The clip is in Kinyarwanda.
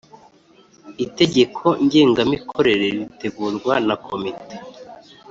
Itegeko ngengamikorere ritegurwa na komite